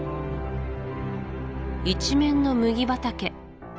一面の麦畑